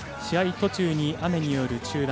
途中に雨による中断。